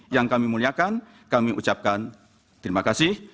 yang kami muliakan kami ucapkan terima kasih